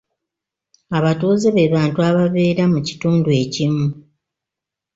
Abatuuze be bantu ababeera mu kitundu ekimu.